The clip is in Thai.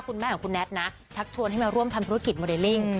คุณแม่ของคุณแท็ตนะชักชวนให้มาร่วมทำธุรกิจโมเดลลิ่ง